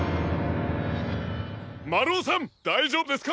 まるおさんだいじょうぶですか？